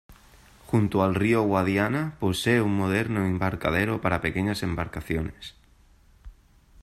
Junto al río Guadiana posee un moderno embarcadero para pequeñas embarcaciones.